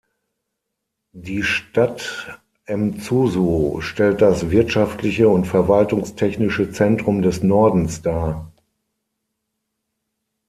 Die Stadt Mzuzu stellt das wirtschaftliche und verwaltungstechnische Zentrum des Nordens dar.